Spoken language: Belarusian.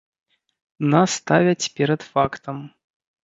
Нас ставяць перад фактам.